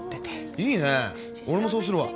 いいね俺もそうするわ。